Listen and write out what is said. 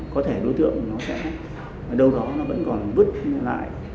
có thể đối tượng nó sẽ ở đâu đó nó vẫn còn vứt lại